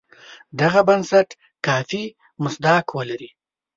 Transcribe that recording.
دغه بنسټ کافي مصداق ولري.